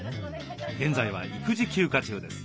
現在は育児休暇中です。